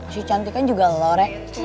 si cantiknya juga lore